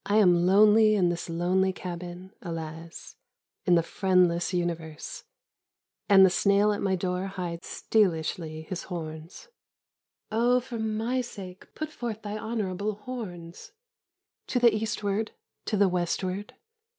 am lonely in this lonely cabin, alas, in the friendless Universe, and the snail at my door hides stealishly his horns. " Oh^for my sake, put forth thy honourable horns /" To the Eastward, to the Westward